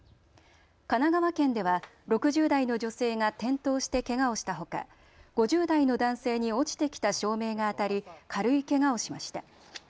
神奈川県では６０代の女性が転倒してけがをしたほか５０代の男性に落ちてきた照明が当たり軽いけがをしました。